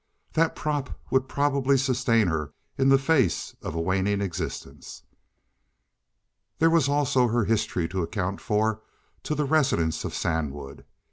That prop would probably sustain her in the face of a waning existence. There was also her history to account for to the residents of Sandwood.